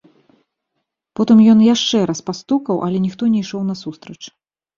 Потым ён яшчэ раз пастукаў, але ніхто не ішоў насустрач.